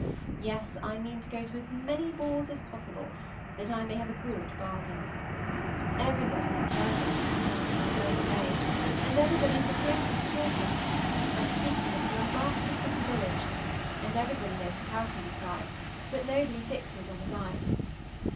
Yes, I mean to go to as many balls as possible, that I may have a good bargain. Everybody is very much concerned at our going away, and everybody is acquainted with Chawton, and speaks of it as a remarkably pretty village, and everybody knows the house we describe, but nobody fixes on the right.